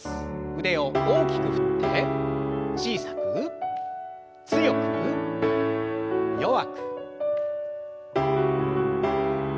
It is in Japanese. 腕を大きく振って小さく強く弱く。